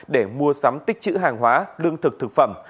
để mua sắm tích chữ hàng hóa lương thực thực phẩm